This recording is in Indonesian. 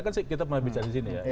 kan kita pernah bicara di sini ya